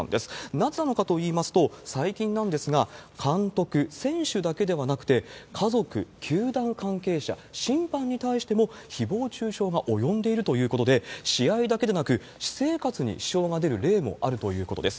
なぜなのかといいますと、最近なんですが、監督、選手だけではなくて、家族、球団関係者、審判に対してもひぼう中傷が及んでいるということで、試合だけでなく、私生活に支障が出る例もあるということです。